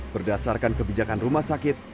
berdasarkan kebijakan rumah sakit